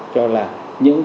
cho là những